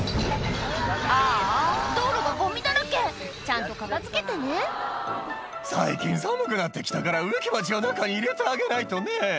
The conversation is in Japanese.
ああ道路がゴミだらけちゃんと片付けてね「最近寒くなって来たから植木鉢を中に入れてあげないとね」